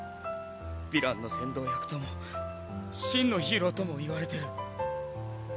ヴィランの煽動役とも真のヒーローとも言われてる。